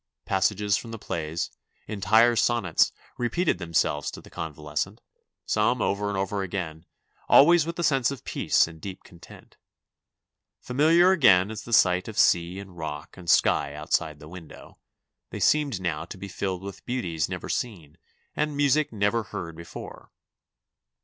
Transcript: Passages from the plays, entire sonnets, re peated themselves to the convalescent, some over and over again, always with a sense of peace and deep con tent. Familiar again as the sight of sea and rock and sky outside the window, they seemed now to be filled with beauties never seen and a music never heard be fore.